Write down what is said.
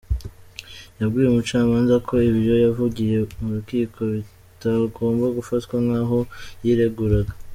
Yabwiye umucamanza ko ibyo yavugiye mu rukiko bitagomba gufatwa nk’aho yireguraga.